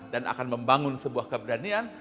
dan akan membangun sebuah keberanian